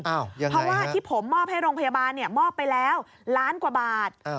เพราะว่าที่ผมมอบให้โรงพยาบาลมอบไปแล้วล้านกว่าบาท